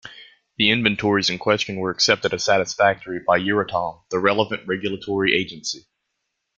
The inventories in question were accepted as satisfactory by Euratom, the relevant regulatory agency.